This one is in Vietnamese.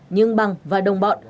nhưng bằng và đồng bọn